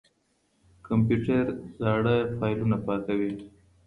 کمپيوټر زاړه فايلونه پاکوي.